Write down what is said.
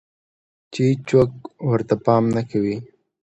چې هيڅوک ورته پام نۀ کوي